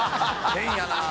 変やなぁ。